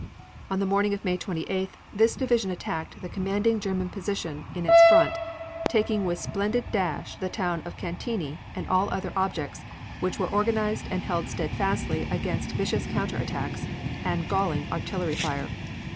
On the morning of May 28th this division attacked the commanding German position in its front, taking with splendid dash the town of Cantigny and all other objectives, which were organized and held steadfastly against vicious counter attacks and galling artillery fire.